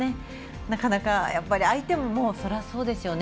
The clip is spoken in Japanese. なかなか相手ももう、それはそうですよね。